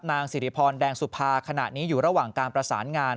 นางสิริพรแดงสุภาขณะนี้อยู่ระหว่างการประสานงาน